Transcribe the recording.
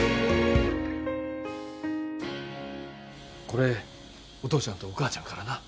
これお父ちゃんとお母ちゃんからな。